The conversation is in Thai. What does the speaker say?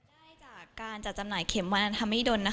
ได้จากการจัดจำหน่ายเข็มวันธรรมิดล